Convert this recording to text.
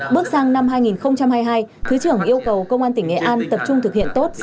bước sang năm hai nghìn hai mươi hai thứ trưởng yêu cầu công an tỉnh nghệ an tập trung thực hiện tốt